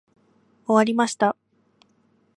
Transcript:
終わりました。